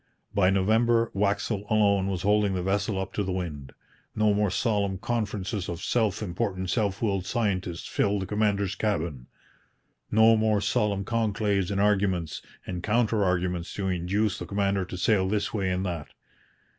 By November, Waxel alone was holding the vessel up to the wind. No more solemn conferences of self important, self willed scientists filled the commander's cabin! No more solemn conclaves and arguments and counter arguments to induce the commander to sail this way and that!